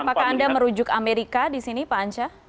apakah anda merujuk amerika di sini pak ansyah